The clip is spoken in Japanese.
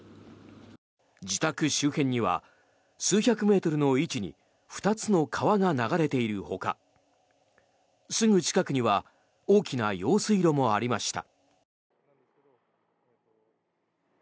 自宅周辺には数百メートルの位置に２つの川が流れているほかすぐ近くには大きな用水路もありました。